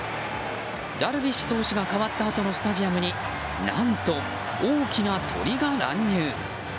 ダルビッシュ投手が代わったあとのスタジアムに何と、大きな鳥が乱入。